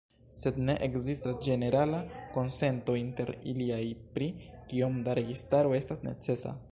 Sed ne ekzistas ĝenerala konsento inter iliaj pri kiom da registaro estas necesa.